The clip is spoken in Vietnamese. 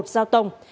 một dao tông